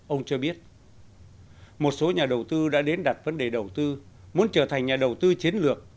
ông cho biết một số nhà đầu tư đã đến đặt vấn đề đầu tư muốn trở thành nhà đầu tư chiến lược